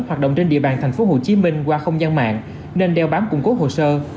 hoạt động trên địa bàn thành phố hồ chí minh qua không gian mạng nên đeo bám củng cố hồ sơ